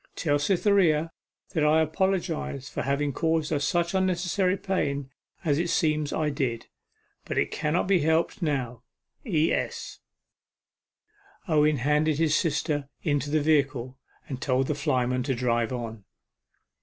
Tell Cytherea that I apologize for having caused her such unnecessary pain, as it seems I did but it cannot be helped now. E.S.' Owen handed his sister into the vehicle, and told the flyman to drive on.